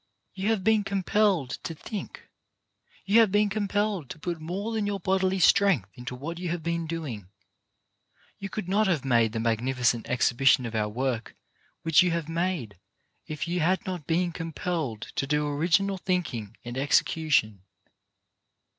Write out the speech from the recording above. You have been compelled to think ; you have been compelled to put more than your bodily strength into what you have been doing. You could not have made the magnificent exhibi tion of our work which you have made if you had not been compelled to do original thinking and execution.